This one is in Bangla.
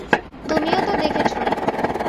তুমিও তো দেখেছ।